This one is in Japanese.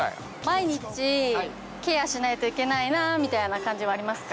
◆毎日ケアしないといけないなみたいな感じはありますか。